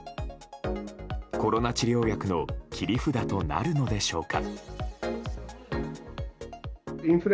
コロナ治療薬の切り札となるのでしょうか。